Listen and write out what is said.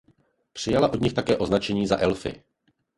Přijala od nich také označení za elfy.